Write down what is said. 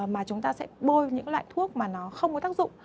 mà chúng ta sẽ bôi những loại thuốc mà nó không có tác dụng